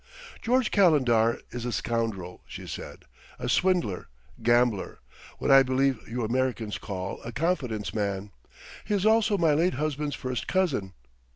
"George Calendar is a scoundrel," she said: "a swindler, gambler, what I believe you Americans call a confidence man. He is also my late husband's first cousin.